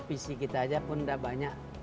pc kita saja pun sudah banyak